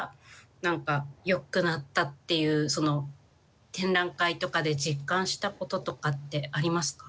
何かよくなったっていうその展覧会とかで実感したこととかってありますか？